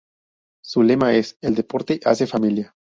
Su lema es: "El deporte hace familia".